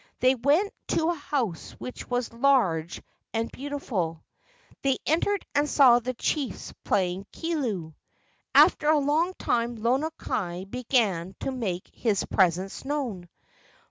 They went to a house which was large and beautiful. They entered and saw the chiefs playing kilu. After a long time Lono kai began to make his presence known.